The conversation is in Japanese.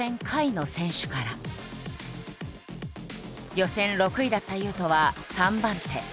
予選６位だった雄斗は３番手。